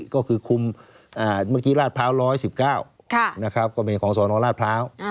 ก็คือคุมเมื่อกี้ราชพร้าว๑๑๙นะครับก็เป็นของสนราชพร้าว